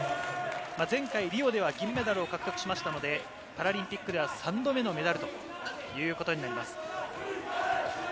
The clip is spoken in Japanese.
前回リオでは銀メダルを獲得しましたので、パラリンピックでは３度目のメダルということになります。